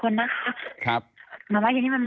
น้องทั้งสามคนนะครับ